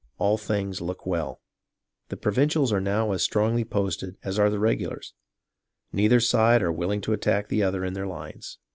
All things look well. The provincials are now as strongly posted THE CONTINENTAL SOLDIERS 75 as are the regulars. Neither side are [sk'] willing to attack the other in their lines."